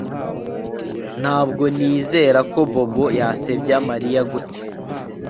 Ntabwo nizera ko Bobo yasebya Mariya gutya